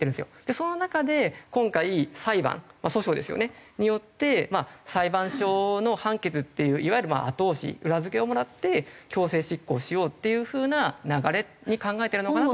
その中で今回裁判訴訟ですよね。によって裁判所の判決っていういわゆる後押し裏付けをもらって強制執行しようっていう風な流れに考えてるのかなと。